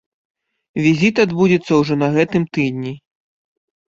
Візіт адбудзецца ўжо на гэтым тыдні.